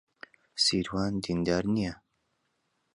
سیروان دیندار نییە.